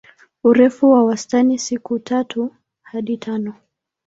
Urefu wa wastani siku tatu hadi tano.